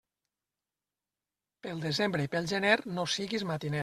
Pel desembre i pel gener, no siguis matiner.